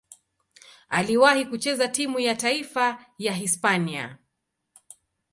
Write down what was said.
Aliwahi kucheza timu ya taifa ya Hispania.